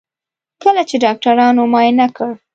کله چې ډاکټرانو معاینه کړ.